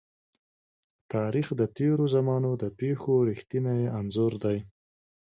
تاریخ د تېرو زمانو د پېښو رښتينی انځور دی.